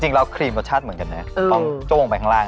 จริงเราครีมรสชาติเหมือนกันนะเดินจูงไปข้างล่าง